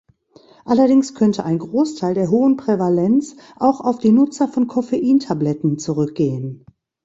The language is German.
Allerdings könnte ein Großteil der hohen Prävalenz auch auf die Nutzer von Koffein-Tabletten zurückgehen.